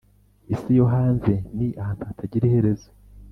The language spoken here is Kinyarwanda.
isi yo hanze ni ahantu hatagira iherezo.